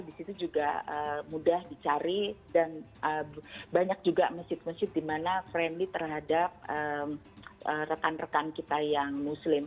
di situ juga mudah dicari dan banyak juga masjid masjid di mana friendly terhadap rekan rekan kita yang muslim